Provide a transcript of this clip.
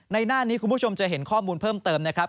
หน้านี้คุณผู้ชมจะเห็นข้อมูลเพิ่มเติมนะครับ